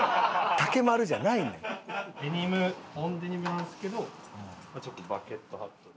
デニム・オン・デニムなんですけどちょっとバケットハットで。